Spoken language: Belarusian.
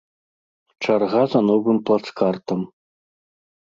Чарга за новым плацкартам.